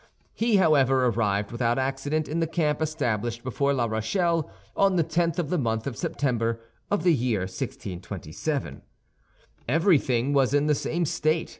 He, however, arrived without accident in the camp established before La Rochelle, on the tenth of the month of September of the year 1627. Everything was in the same state.